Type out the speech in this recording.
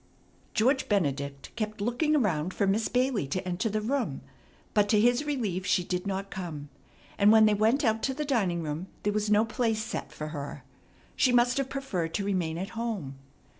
George Benedict kept looking around for Miss Bailey to enter the room; but to his relief she did not come, and, when they went out to the dining room, there was no place set for her. She must have preferred to remain at home.